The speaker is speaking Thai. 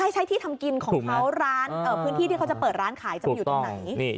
ใช่ที่ทำกินของเขาร้านพื้นที่ที่เขาจะเปิดร้านขายจะไปอยู่ตรงไหน